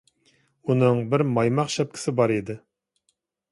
ئۇنىڭ بىر مايماق شەپكىسى بار ئىدى.